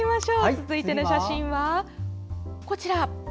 続いての写真はこちら。